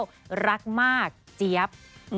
รักมากเจี๊ยบ